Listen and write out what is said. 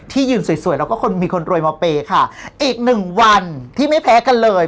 ยืนสวยสวยแล้วก็คนมีคนรวยมาเปย์ค่ะอีกหนึ่งวันที่ไม่แพ้กันเลย